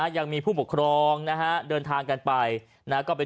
ยังมีผู้ปกครองนะฮะเดินทางกันไป